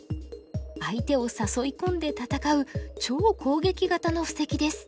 相手を誘い込んで戦う超攻撃型の布石です。